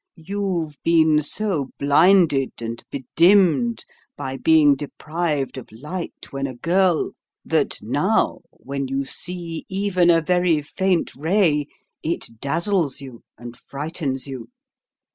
"You've been so blinded and bedimmed by being deprived of light when a girl, that now, when you see even a very faint ray, it dazzles you and frightens you.